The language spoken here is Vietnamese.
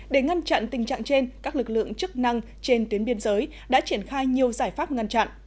để ngăn chặn tình trạng trên các lực lượng chức năng trên tuyến biên giới đã triển khai nhiều giải pháp ngăn chặn